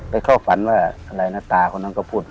เข้าฝันว่าอะไรนะตาคนนั้นก็พูด